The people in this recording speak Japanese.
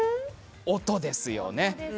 音ですね。